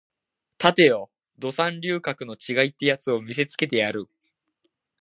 立てよド三流格の違いってやつを見せてやる